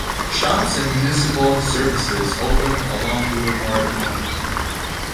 Shops and municipal services opened along Boulevard Monk.